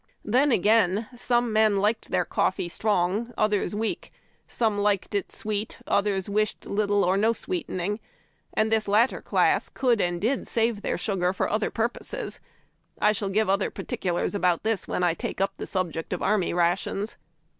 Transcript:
Then, again, some men liked tlseir coffee strong, others weak; some liked it sweet, others wished little or no sweetening ; and this latter class could and did save their sugar for other purposes. I shall give other particulars about this when I take up the subject of Army Rations.